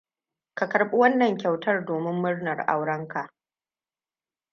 Ka karɓi wannan kyautar domin murnar auranka.